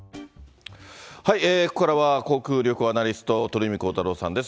ここからは航空旅行アナリスト、鳥海高太朗さんです。